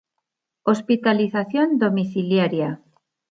Hospitalización domiciliaria.